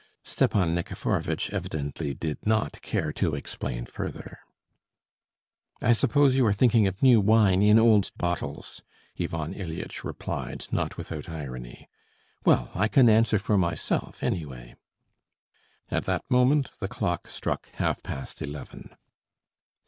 Stepan Nikiforovitch evidently did not care to explain further. "I suppose you are thinking of new wine in old bottles?" Ivan Ilyitch replied, not without irony. "Well, I can answer for myself, anyway." At that moment the clock struck half past eleven.